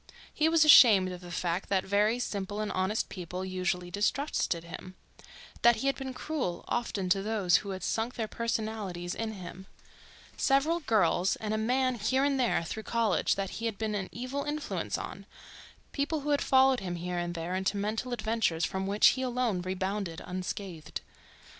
He was ashamed of the fact that very simple and honest people usually distrusted him; that he had been cruel, often, to those who had sunk their personalities in him—several girls, and a man here and there through college, that he had been an evil influence on; people who had followed him here and there into mental adventures from which he alone rebounded unscathed.